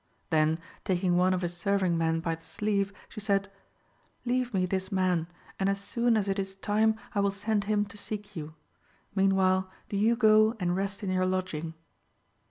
Then, taking one of his serving men by the sleeve, she said "Leave me this man, and as soon as it is time I will send him to seek you. Meanwhile do you go and rest in your lodging."